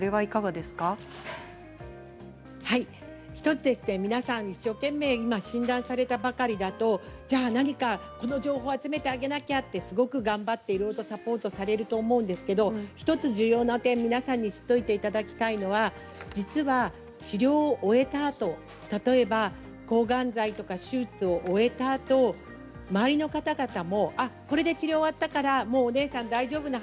１つ、皆さん一生懸命診断されたばかりだと何か、この情報を集めてあげなければと頑張ってサポートされると思うんですが実は、重要な点、知っておいていただきたいのは治療を終えたあと、例えば抗がん剤とか手術を終えたあと周りの方々もこれで治療をやったからもうお姉さん大丈夫